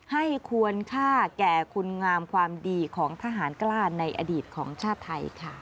ให้ควรค่าแก่คุณงามความดีของทหารกล้าในอดีตของชาติไทยค่ะ